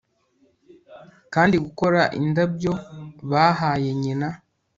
kandi, gukora indabyo bahaye nyina